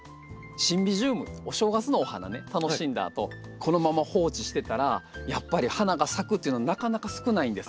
シンビジウムお正月のお花ね楽しんだあとこのまま放置してたらやっぱり花が咲くっていうのなかなか少ないんです。